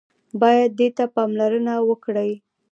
بايد دې ته پاملرنه وکړي.